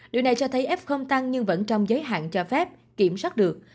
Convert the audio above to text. điều này cho thấy f không tăng nhưng vẫn trong giới hạn cho phép kiểm soát được